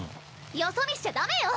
よそ見しちゃ駄目よ！